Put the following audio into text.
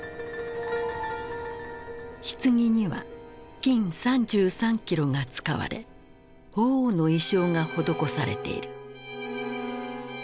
ひつぎには金３３キロが使われ鳳凰の意匠が施されている。